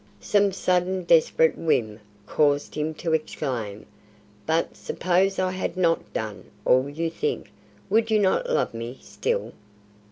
Some sudden desperate whim caused him to exclaim, "But suppose I had not done all you think, would you not love me still?"